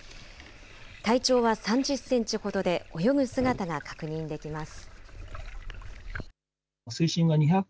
体長は３０センチほどで泳ぐ姿が確認できます。